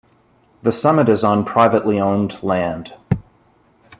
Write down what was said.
The summit is on privately owned land.